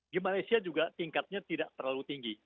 di malaysia juga tingkatnya tidak terlalu tinggi